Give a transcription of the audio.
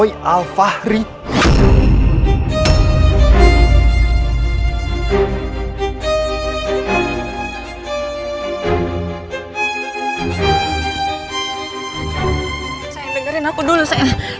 sayang dengerin aku dulu sayang